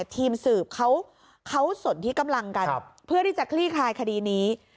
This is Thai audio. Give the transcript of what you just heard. ทีมสืบเขาส่วนที่กำลังพิจารณีเพื่อคลี่ทัลคดีนี้